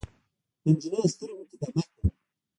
د نجلۍ سترګو کې دمه کوي